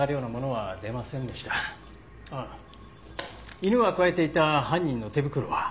犬がくわえていた犯人の手袋は？